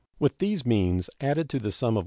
With these means, added to the sum of $1.